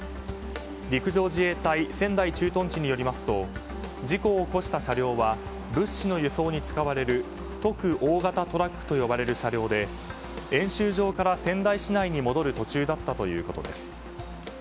陸上自衛隊仙台駐屯地によりますと事故を起こした車両は物資の輸送に使われる特大型トラックと呼ばれる車両で演習場から仙台市内に戻る途中だったということです。